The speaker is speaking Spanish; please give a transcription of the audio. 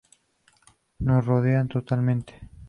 Nos rodea totalmente.